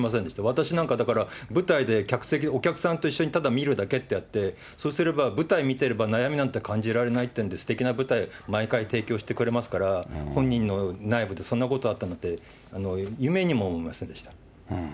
私なんか、だから舞台で客席、お客さんと一緒にただ見るだけであって、そうすれば舞台見てれば悩みなんて感じられないっていうんで、すてきな舞台、毎回提供してくれますから、本人の内部でそんなことあったなんて、夢にも思いませんでした。